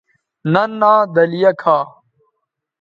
ننھا دلیہ کھا